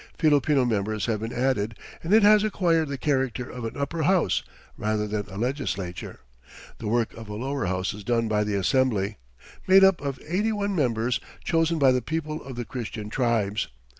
Filipino members have been added, and it has acquired the character of an upper house, rather than a legislature. The work of a lower house is done by the Assembly, made up of eighty one members chosen by the people of the Christian tribes.